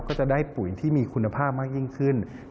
ก็จะได้ปุ๋ยที่มีคุณภาพมากยิ่งขึ้น